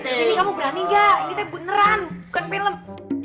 di sini kamu berani gak ini teh beneran bukan film